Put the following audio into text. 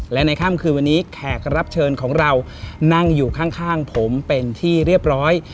และในค่ำคืนวันนี้แขกรับเชิญของเรานั่งอยู่ข้างผมเป็นที่เรียบร้อย